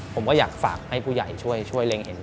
ผมก็อยากฝากให้ผู้ใหญ่ช่วยเล็งเห็น